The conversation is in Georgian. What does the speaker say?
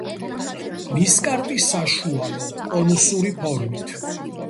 ნისკარტი საშუალო, კონუსური ფორმით.